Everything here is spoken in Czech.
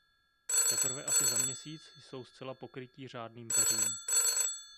Teprve asi za měsíc jsou zcela pokrytí řádným peřím.